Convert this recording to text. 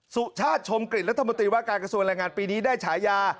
สุชาติชมกฤษรัฐมนตรีว่าการกระทรวงแรงงานปีนี้ได้ฉายา